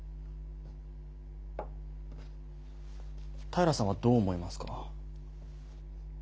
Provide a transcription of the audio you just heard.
平さんはどう思いますか？